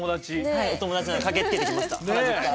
はいお友達なんで駆けつけてきました原宿から。